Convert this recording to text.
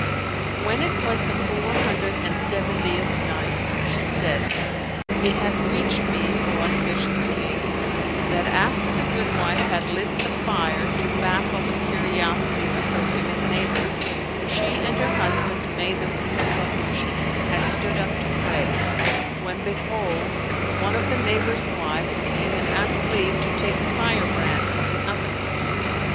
When it was the Four Hundred and Seventieth Night, She said, It hath reached me, O auspicious King, that after the goodwife had lit the fire to baffle the curiosity of her women neighbours, she and her husband made the Wuzu ablution and stood up to pray, when behold, one of the neighbours' wives came and asked leave to take a fire brand from the oven.